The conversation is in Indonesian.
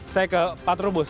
saya ke pak trumus